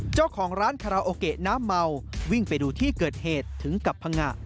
เจ้าของร้านคาราโอเกะน้ำเมาวิ่งไปดูที่เกิดเหตุถึงกับพังงะ